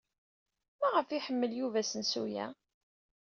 Maɣef ay iḥemmel Yuba asensu-a?